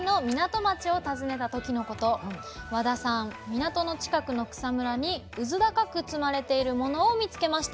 港の近くの草むらにうずだかく積まれているものを見つけました。